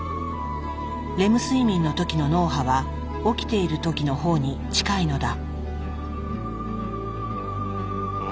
レム睡眠の時の脳波は起きている時の方に近いのだ。